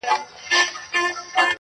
o ه ياره کندهار نه پرېږدم.